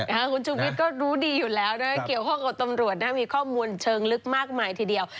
คุณชูวิทย์ก็รู้ดีอยู่แล้วนะเกี่ยวข้องกับตำรวจนะมีข้อมูลเชิงลึกมากมายทีเดียว